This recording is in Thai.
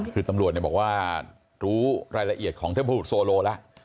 คือตำรวจบอกว่ารู้รายละเอียดของเทพบุตรโซโลแล้ว